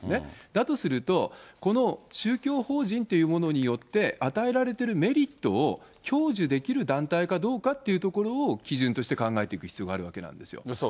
だとすると、この宗教法人っていうものによって与えられているメリットを享受できる団体かどうかっていうところを基準として考えていく必要があるわけなんですよ。